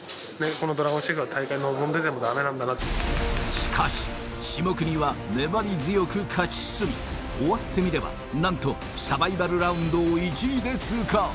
この大会臨んでてもダメなんだなしかし下國は粘り強く勝ち進み終わってみればなんとサバイバルラウンドを１位で通過